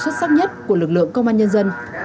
xuất sắc nhất của lực lượng công an nhân dân